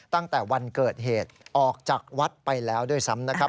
ตั้งแต่วันเกิดเหตุออกจากวัดไปแล้วด้วยซ้ำนะครับ